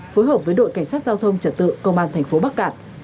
phối hợp với đội cảnh sát giao thông trật tự công an thành phố bắc cạn